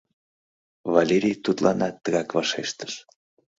Валерий тудланат тыгак вашештыш.